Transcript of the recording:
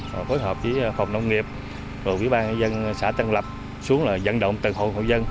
phối hợp với phòng nông nghiệp rồi quỹ ban dân xã tân lập xuống là dẫn động tầng hội hội dân